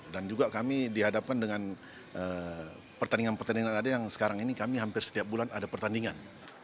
dan juga kami dihadapkan dengan pertandingan pertandingan yang sekarang ini kami hampir setiap bulan ada pertandingan